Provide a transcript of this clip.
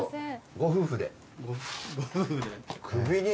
ご夫婦で。